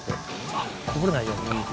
あっこぼれないようにか。